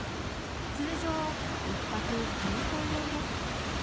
通常、１泊９０００円です。